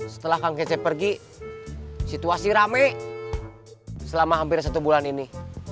setelah kang kece pergi situasi rame selama hampir satu bulan ini